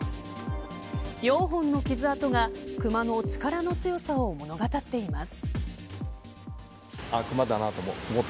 ４本の傷痕が熊の力の強さを物語っています。